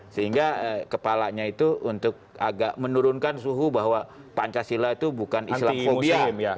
sehingga kepalanya itu untuk agak menurunkan suhu bahwa pancasila itu bukan islam fobia